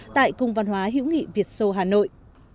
tại cung văn hóa hữu nghị việt sô hà nội